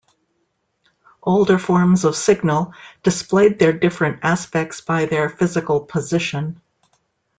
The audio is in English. Older forms of signal displayed their different aspects by their physical position.